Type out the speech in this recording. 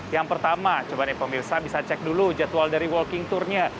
yang pertama coba nih pemirsa bisa cek dulu jadwal dari walking tournya